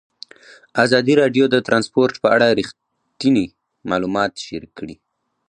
ازادي راډیو د ترانسپورټ په اړه رښتیني معلومات شریک کړي.